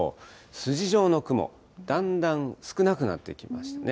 筋状の雲、だんだん少なくなってきましたね。